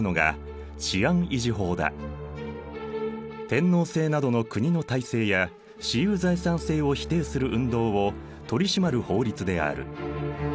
天皇制などの国の体制や私有財産制を否定する運動を取り締まる法律である。